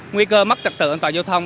nguy cơ mất tật tự an toàn giao thông